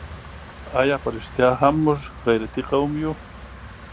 آیا په رښتیا هم موږ غیرتي قوم یو؟